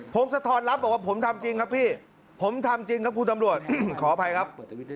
งสะท้อนรับบอกว่าผมทำจริงครับพี่ผมทำจริงครับคุณตำรวจขออภัยครับ